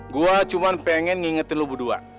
gua cuma pengen ngingetin lu berdua